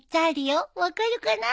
分かるかな？